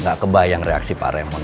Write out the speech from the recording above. gak kebayang reaksi pak remo